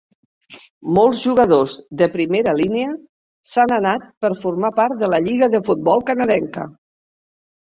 Molts jugadors de primera línia s'han anat per formar part de la lliga de futbol canadenca.